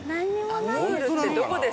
アムールってどこですか？